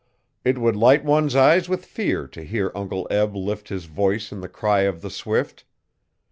It would light one's eye with fear to hear Uncle Eb lift his voice in the cry of the swift.